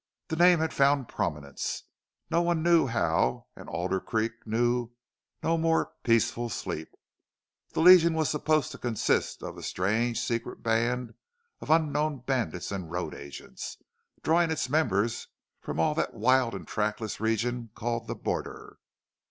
The name had found prominence, no one knew how, and Alder Creek knew no more peaceful sleep. This Legion was supposed to consist of a strange, secret band of unknown bandits and road agents, drawing its members from all that wild and trackless region called the border.